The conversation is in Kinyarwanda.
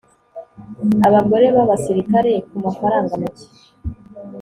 abagore b'abasirikare kumafaranga make